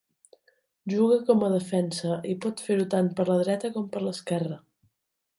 Juga com a defensa, i pot fer-ho tant per la dreta com per l'esquerra.